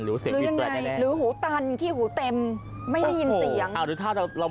หรือหูตันกี่หูเต็มไม่ได้ยินเสียง